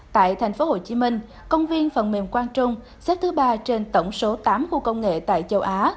tại thành phố hồ chí minh công viên phần mềm quang trung xếp thứ ba trên tổng số tám khu công nghệ tại châu á